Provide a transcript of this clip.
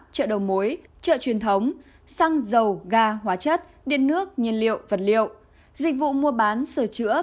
chợ đầu mối chợ truyền thống xăng dầu ga hóa chất điện nước nhiên liệu vật liệu dịch vụ mua bán sửa chữa